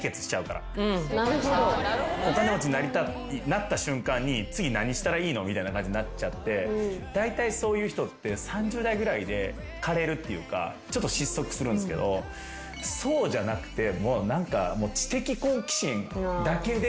なった瞬間に次何したらいいの？みたいな感じになっちゃってだいたいそういう人って３０代ぐらいで枯れるっていうかちょっと失速するんすけどそうじゃなくて。